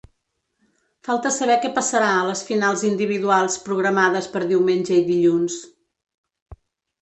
Falta saber què passarà a les finals individuals programades per diumenge i dilluns.